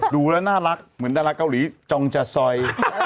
ดูแล้วน่ารักเหมือนดาราเกาหลีจองจาซอย